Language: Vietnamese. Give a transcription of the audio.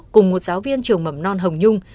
cùng một giáo viên trường mầm non hồng nhung